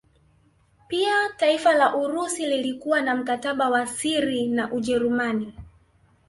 Pia taifa la Urusi lilikuwa na mkataba wa siri na Ujerumani